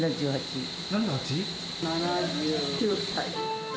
７９歳。